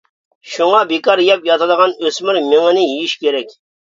شۇڭا بىكار يەپ ياتىدىغان ئۆسمۈر مېڭىنى يېيىش كېرەك!